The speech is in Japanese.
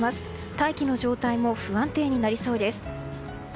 大気の状態も不安定になりそうです。